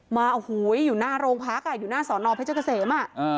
มาโอ้โหอยู่หน้าโรงพักอยู่หน้าสอนอเพชรเกษม